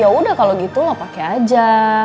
ya udah kalau gitu lah pakai aja